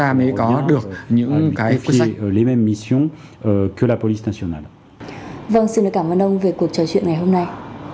hãy đăng ký kênh để ủng hộ kênh của mình nhé